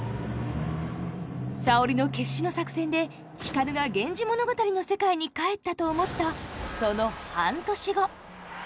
沙織の決死の作戦で光が「源氏物語」の世界に帰ったと思ったその半年後。